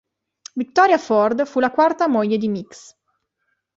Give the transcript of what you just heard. Victoria Forde fu la quarta moglie di Mix.